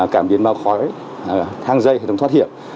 cảm biến bao khói thang dây hệ thống thoát hiểm